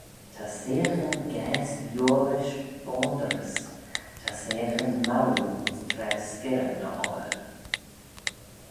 Ta seaghyn gaase liorish boandyrys, ta seaghyn marroo ayns traa s'girrey na obbyr.